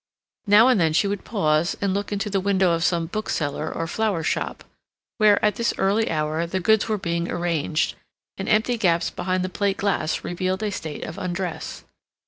Now and then she would pause and look into the window of some bookseller or flower shop, where, at this early hour, the goods were being arranged, and empty gaps behind the plate glass revealed a state of undress.